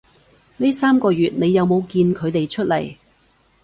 呢三個月你有冇見佢哋出來